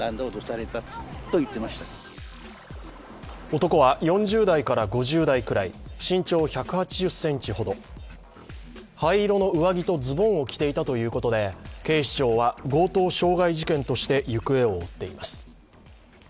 男は４０代から５０代くらい、身長１８０ｃｍほど灰色の上着とズボンを着ていたということで警視庁は強盗傷害事件として行方を追っています。